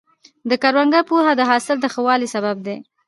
د کروندګر پوهه د حاصل د ښه والي سبب ده.